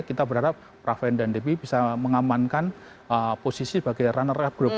kita berharap praven dan debbie bisa mengamankan posisi sebagai runner up group